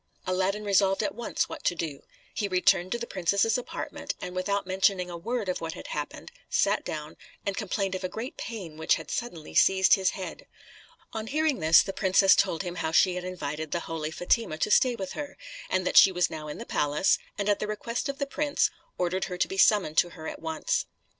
Aladdin resolved at once what to do. He returned to the princess's apartment, and, without mentioning a word of what had happened, sat down, and complained of a great pain which had suddenly seized his head. On hearing this the princess told him how she had invited the holy Fatima to stay with her, and that she was now in the palace; and at the request of the prince, ordered her to be summoned to her at once.